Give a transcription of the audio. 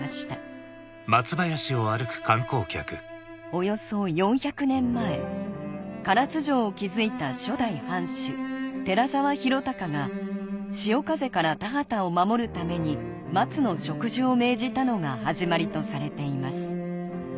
およそ４００年前唐津城を築いた初代藩主寺沢広高が潮風から田畑を守るために松の植樹を命じたのが始まりとされています